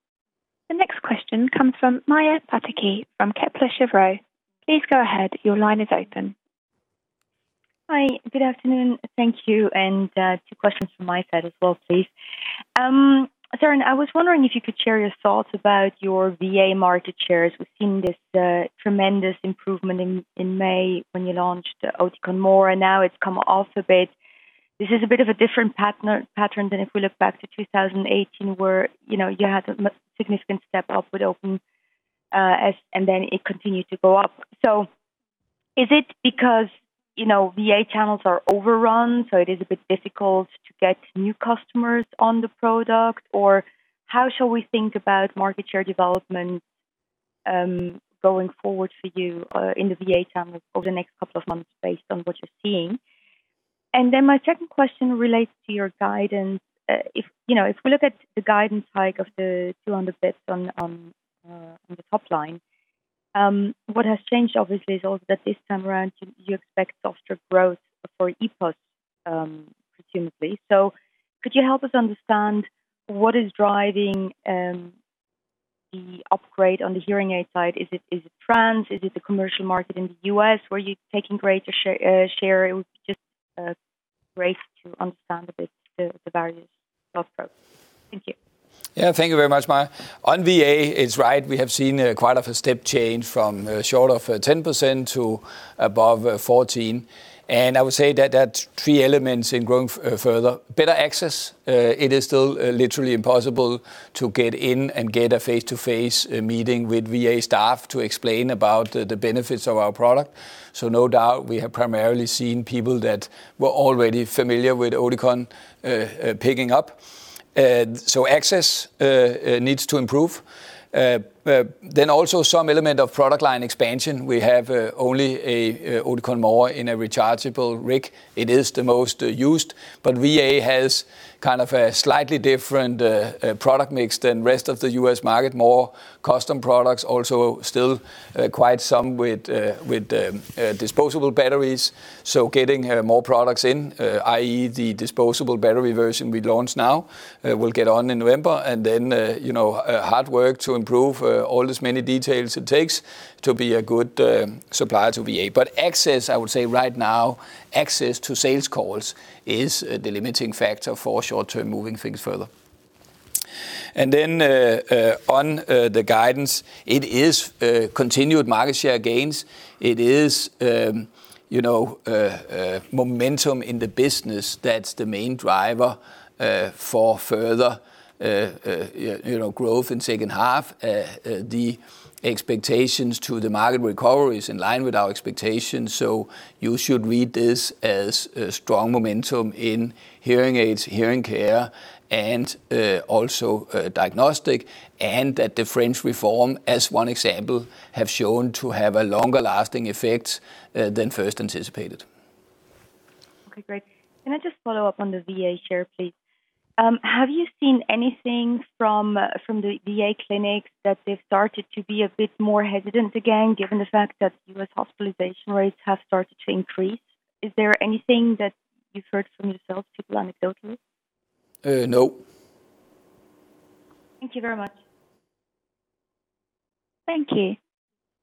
The next question comes from Maja Pataki from Kepler Cheuvreux. Please go ahead. Hi. Good afternoon. Thank you, and two questions from my side as well, please. Søren, I was wondering if you could share your thoughts about your VA market shares. We've seen this tremendous improvement in May when you launched Oticon More, and now it's come off a bit. This is a bit of a different pattern than if we look back to 2018 where you had a significant step-up with open, and then it continued to go up. Is it because VA channels are overrun, so it is a bit difficult to get new customers on the product? How shall we think about market share development going forward for you in the VA channels over the next couple of months based on what you're seeing? My second question relates to your guidance. If we look at the guidance hike of the 200 basis points on the top line, what has changed obviously is also that this time around you expect softer growth for EPOS, presumably. Could you help us understand what is driving the upgrade on the hearing aid side? Is it trends? Is it the commercial market in the U.S.? Were you taking greater share? It would be just great to understand a bit the various soft growth. Thank you. Yeah. Thank you very much, Maja. On VA, it's right, we have seen quite of a step change from short of 10% to above 14. I would say that that's three elements in growing further. Better access. It is still literally impossible to get in and get a face-to-face meeting with VA staff to explain about the benefits of our product. No doubt we have primarily seen people that were already familiar with Oticon picking up. Access needs to improve. Also some element of product line expansion. We have only a Oticon More in a rechargeable rig. It is the most used, VA has kind of a slightly different product mix than rest of the U.S. market, more custom products also still quite some with disposable batteries. Getting more products in, i.e., the disposable battery version we launched now will get on in November and then hard work to improve all these many details it takes to be a good supplier to VA. Access, I would say right now, access to sales calls is the limiting factor for short-term moving things further. On the guidance, it is continued market share gains. It is momentum in the business that's the main driver for further growth in second half. The expectations to the market recovery is in line with our expectations. You should read this as strong momentum in hearing aids, hearing care, and also diagnostic, and that the French reform, as one example, have shown to have a longer-lasting effect than first anticipated. Okay, great. Can I just follow up on the VA share, please? Have you seen anything from the VA clinics that they've started to be a bit more hesitant again, given the fact that U.S. hospitalization rates have started to increase? Is there anything that you've heard from your sales people anecdotally? No. Thank you very much. Thank you.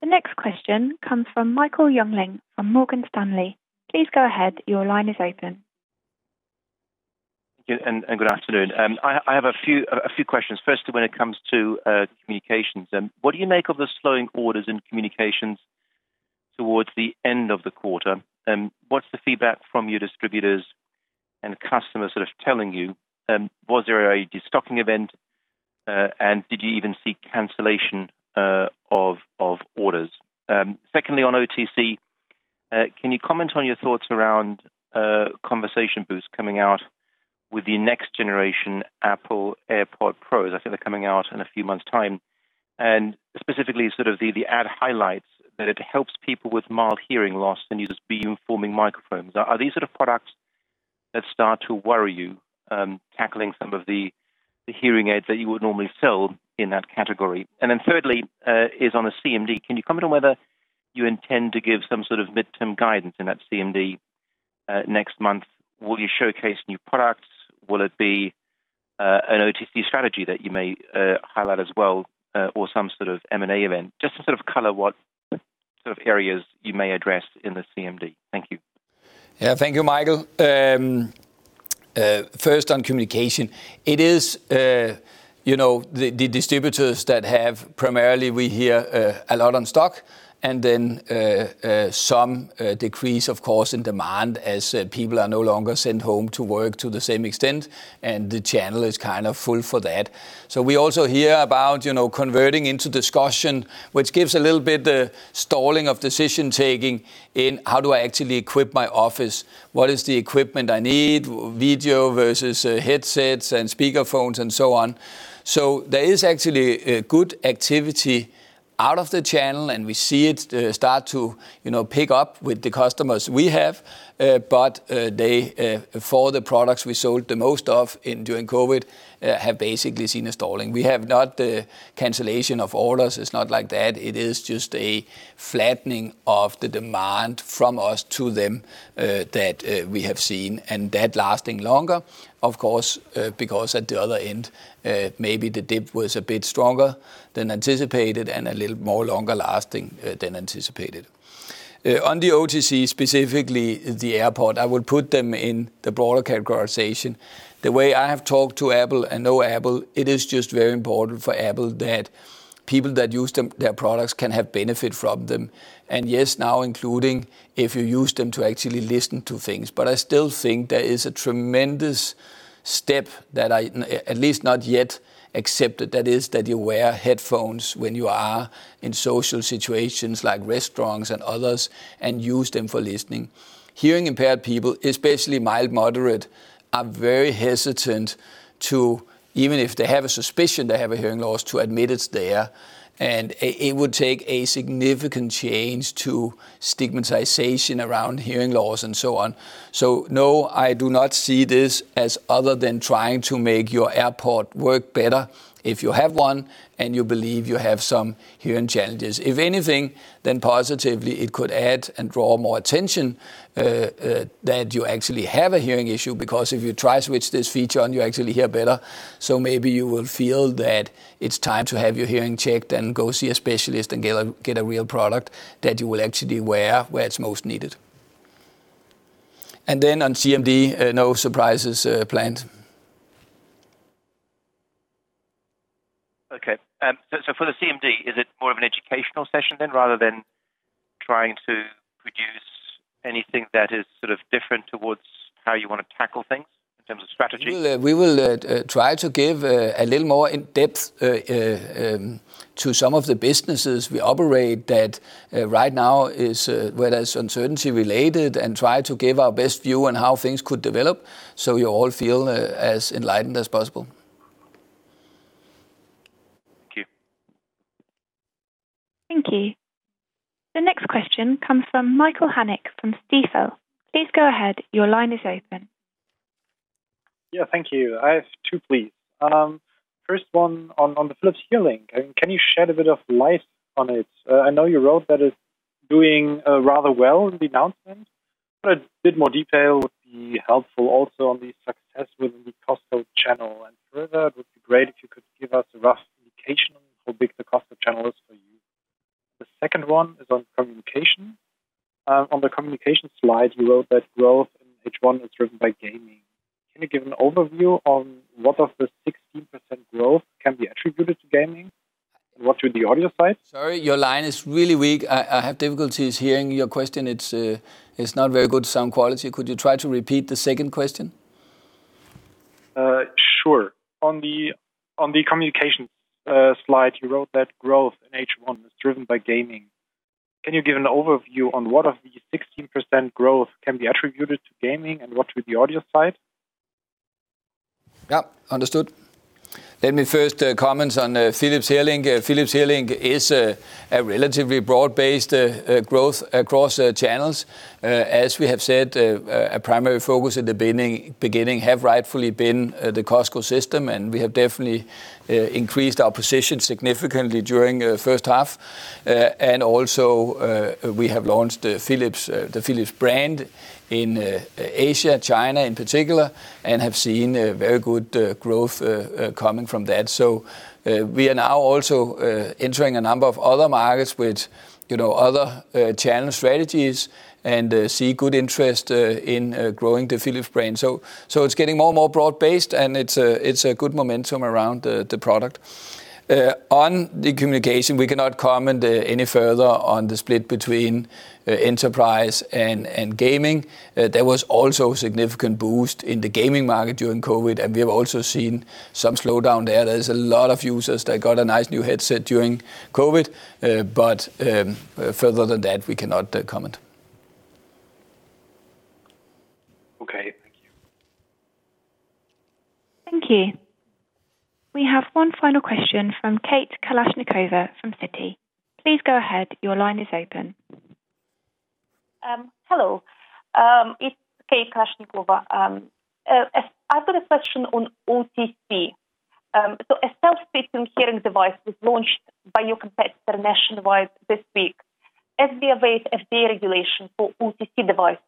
The next question comes from Michael Jungling from Morgan Stanley. Please go ahead. Your line is open. Thank you, and good afternoon. I have a few questions. Firstly, when it comes to communications, what do you make of the slowing orders in communications towards the end of the quarter? What's the feedback from your distributors and customers telling you? Was there a de-stocking event? Did you even see cancellation of orders? Secondly, on OTC, can you comment on your thoughts around Conversation Boost coming out with the next generation Apple AirPods Pro? I think they're coming out in a few months' time. Specifically, the ad highlights that it helps people with mild hearing loss and uses beamforming microphones. Are these the sort of products that start to worry you, tackling some of the hearing aids that you would normally sell in that category? Thirdly is on the CMD. Can you comment on whether you intend to give some sort of midterm guidance in that CMD next month? Will you showcase new products? Will it be an OTC strategy that you may highlight as well or some sort of M&A event? Just to sort of color what sort of areas you may address in the CMD. Thank you. Yeah, thank you, Michael. First, on communication. It is the distributors that have primarily, we hear, a lot on stock and then some decrease, of course, in demand as people are no longer sent home to work to the same extent, and the channel is kind of full for that. We also hear about converting into discussion, which gives a little bit stalling of decision-taking in how do I actually equip my office, what is the equipment I need, video versus headsets and speaker phones and so on. There is actually good activity out of the channel, and we see it start to pick up with the customers we have. For the products we sold the most of during COVID have basically seen a stalling. We have not cancellation of orders. It's not like that. It is just a flattening of the demand from us to them that we have seen, and that lasting longer, of course, because at the other end, maybe the dip was a bit stronger than anticipated and a little more longer lasting than anticipated. On the OTC, specifically the AirPods, I would put them in the broader categorization. The way I have talked to Apple and know Apple, it is just very important for Apple that people that use their products can have benefit from them. Yes, now including if you use them to actually listen to things. I still think there is a tremendous step that I, at least not yet accepted, that is that you wear headphones when you are in social situations like restaurants and others and use them for listening. Hearing-impaired people, especially mild, moderate, are very hesitant to, even if they have a suspicion they have a hearing loss, to admit it's there, and it would take a significant change to stigmatization around hearing loss and so on. No, I do not see this as other than trying to make your AirPods work better if you have one and you believe you have some hearing challenges. If anything, then positively it could add and draw more attention that you actually have a hearing issue because if you try to switch this feature on, you actually hear better. Maybe you will feel that it's time to have your hearing checked and go see a specialist and get a real product that you will actually wear where it's most needed. On CMD, no surprises planned. Okay. For the CMD, is it more of an educational session then, rather than trying to produce anything that is sort of different towards how you want to tackle things in terms of strategy? We will try to give a little more in depth to some of the businesses we operate that right now, whether it's uncertainty related, and try to give our best view on how things could develop so you all feel as enlightened as possible. Thank you. Thank you. The next question comes from Michael Hemken from Stifel. Please go ahead. Your line is open. Yeah, thank you. I have two, please. First one on the Philips HearLink. Can you shed a bit of light on it? I know you wrote that it's doing rather well in the announcement, but a bit more detail would be helpful also on the success within the Costco channel. Further, it would be great if you could give us a rough indication on how big the Costco channel is for you. The second one is on communication. On the communication slide, you wrote that growth in H1 is driven by gaming. Can you give an overview on what of the 16% growth can be attributed to gaming and what to the audio side? Sorry, your line is really weak. I have difficulties hearing your question. It is not very good sound quality. Could you try to repeat the second question? Sure. On the communication slide, you wrote that growth in H1 is driven by gaming. Can you give an overview on what of the 16% growth can be attributed to gaming and what to the audio side? Yeah. Understood. Let me first comment on Philips HearLink. Philips HearLink is a relatively broad-based growth across channels. As we have said, a primary focus at the beginning have rightfully been the Costco system, and we have definitely increased our position significantly during the first half. Also we have launched the Philips brand in Asia, China in particular, and have seen very good growth coming from that. We are now also entering a number of other markets with other channel strategies and see good interest in growing the Philips brand. It's getting more and more broad-based, and it's a good momentum around the product. On the communication, we cannot comment any further on the split between enterprise and gaming. There was also a significant boost in the gaming market during COVID, and we have also seen some slowdown there. There's a lot of users that got a nice new headset during COVID, but further than that, we cannot comment. Thank you. We have one final question from Kate Kalashnikova from Citi. Please go ahead. Your line is open. Hello. It's Kate Kalashnikova. I've got a question on OTC. A self-fitting hearing device was launched by your competitor nationwide this week. As we await FDA regulation for OTC devices,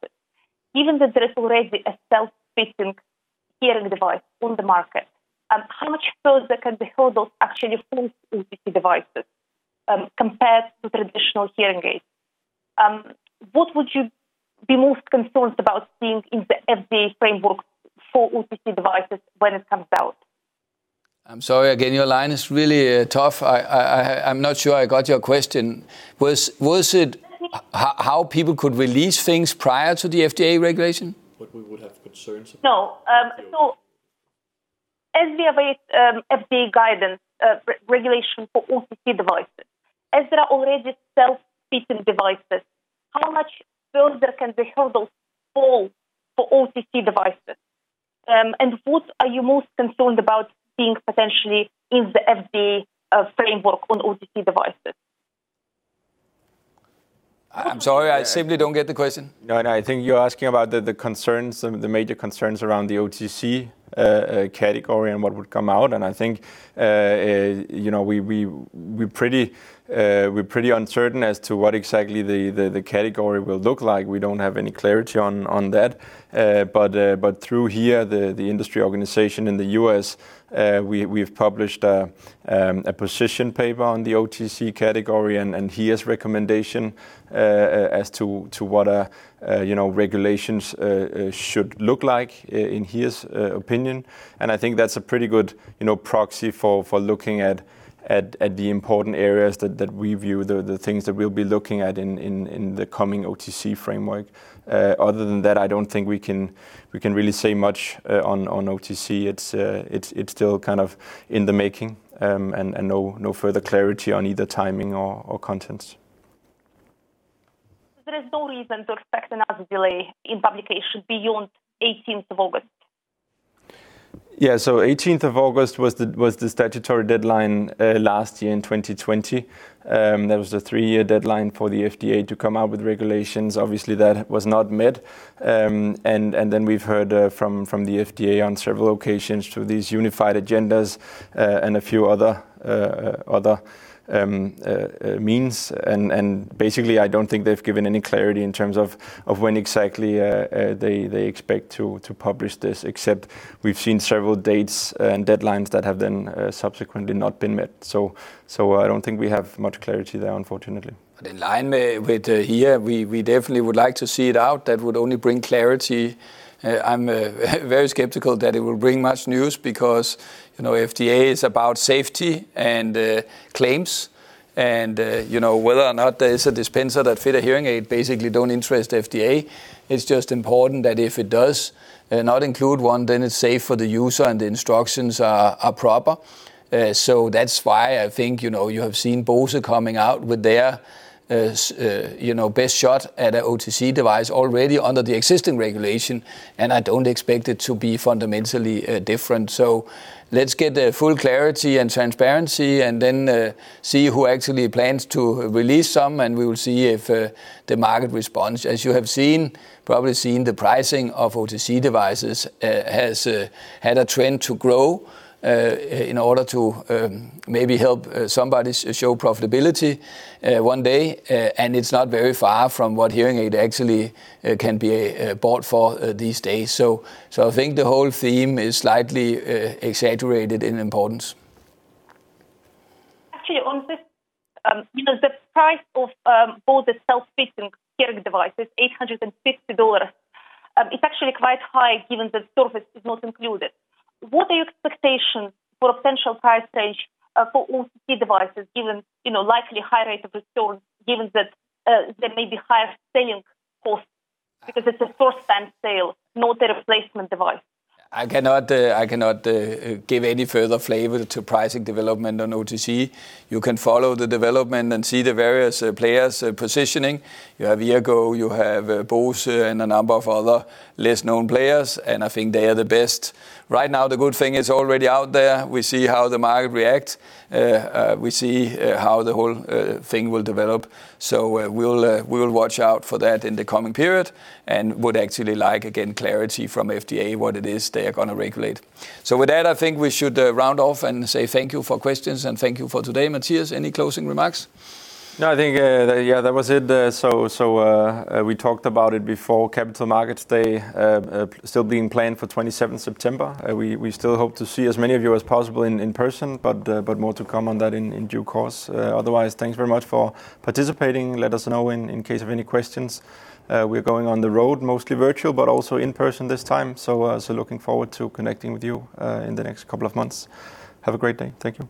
given that there is already a self-fitting hearing device on the market, how much further can the hurdles actually hold OTC devices compared to traditional hearing aids? What would you be most concerned about seeing in the FDA framework for OTC devices when it comes out? I'm sorry. Again, your line is really tough. I'm not sure I got your question. Was it how people could release things prior to the FDA regulation? What we would have concerns about. No. As we await FDA guidance regulation for OTC devices, as there are already self-fitting devices, how much further can the hurdles fall for OTC devices? What are you most concerned about seeing potentially in the FDA framework on OTC devices? I'm sorry. I simply don't get the question. No, I think you're asking about the concerns, some of the major concerns around the OTC category and what would come out, and I think we're pretty uncertain as to what exactly the category will look like. We don't have any clarity on that. Through HIA, the industry organization in the U.S., we've published a position paper on the OTC category and HIA's recommendation as to what our regulations should look like in HIA's opinion. I think that's a pretty good proxy for looking at the important areas that we view, the things that we'll be looking at in the coming OTC framework. Other than that, I don't think we can really say much on OTC. It's still kind of in the making, no further clarity on either timing or contents. There is no reason to expect another delay in publication beyond 18th of August? Yeah. 18th of August was the statutory deadline last year in 2020. There was a three-year deadline for the FDA to come out with regulations. Obviously, that was not met. We've heard from the FDA on several occasions through these unified agendas, and a few other means, and basically, I don't think they've given any clarity in terms of when exactly they expect to publish this, except we've seen several dates and deadlines that have then subsequently not been met. I don't think we have much clarity there, unfortunately. In line with HIA, we definitely would like to see it out. That would only bring clarity. I'm very skeptical that it will bring much news because FDA is about safety and claims, and whether or not there is a dispenser that fit a hearing aid basically don't interest FDA. It's just important that if it does not include one, then it's safe for the user and the instructions are proper. That's why I think you have seen Bose coming out with their best shot at an OTC device already under the existing regulation, and I don't expect it to be fundamentally different. Let's get full clarity and transparency and then see who actually plans to release some, and we will see if the market responds. As you have probably seen, the pricing of OTC devices has had a trend to grow in order to maybe help somebody show profitability one day. It's not very far from what hearing aid actually can be bought for these days. I think the whole theme is slightly exaggerated in importance. Actually, on this, the price of Bose self-fitting hearing devices, $850, it's actually quite high given that service is not included. What are your expectations for potential price range for OTC devices given likely high rate of return given that there may be higher selling costs because it's a first-time sale, not a replacement device? I cannot give any further flavor to pricing development on OTC. You can follow the development and see the various players' positioning. You have Eargo, you have Bose, and a number of other less-known players, and I think they are the best. Right now, the good thing is already out there. We see how the market reacts. We see how the whole thing will develop. We'll watch out for that in the coming period and would actually like, again, clarity from FDA what it is they are going to regulate. With that, I think we should round off and say thank you for questions and thank you for today. Mathias, any closing remarks? No, I think, yeah, that was it. We talked about it before Capital Markets Day still being planned for 27th September. We still hope to see as many of you as possible in person, but more to come on that in due course. Thanks very much for participating. Let us know in case of any questions. We're going on the road, mostly virtual, but also in person this time. Looking forward to connecting with you in the next couple of months. Have a great day. Thank you.